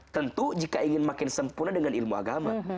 tentu jika ingin makin sempurna dengan ilmu agama